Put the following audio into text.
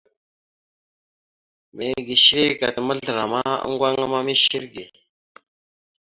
Mege shəlek ata mazlarəma, oŋŋgoŋa ma mishe irəge.